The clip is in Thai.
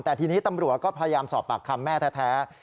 แต่ทีนี้ตำรวจก็พยายามสอบปากคำแม่แท้